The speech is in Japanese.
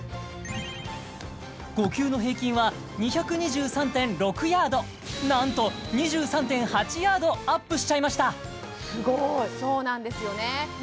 ５球の平均は２２３．６ヤードなんと２３．８ヤードアップしちゃいましたすごいそうなんですよね